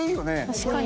確かに。